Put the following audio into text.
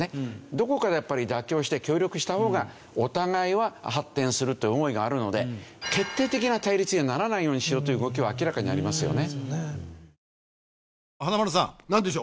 どこかでやっぱり妥協して協力した方がお互いは発展するという思いがあるので決定的な対立にはならないようにしようという動きは明らかにありますよね。